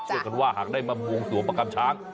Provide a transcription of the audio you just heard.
กันว่าหากได้มาบวงสวงประกำช้าง